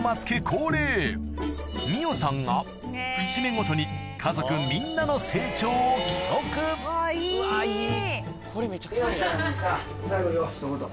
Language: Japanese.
光緒さんが節目ごとに家族みんなの成長を記録うわいい。